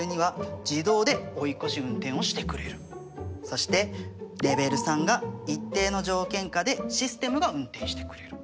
そしてレベル３が一定の条件下でシステムが運転してくれる。